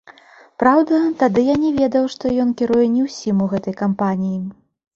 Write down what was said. Праўда, тады я не ведаў, што ён кіруе не ўсім у гэтай кампаніі.